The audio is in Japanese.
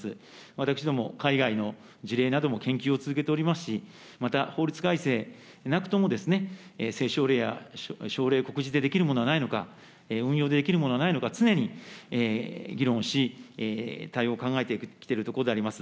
私ども、海外の事例なども研究を続けておりますし、また法律改正なくとも政省令や省令、告示でできるものはないのか、運用できるものはないのか、常に議論し、対応を考えてきているところであります。